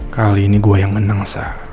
kali ini gue yang menang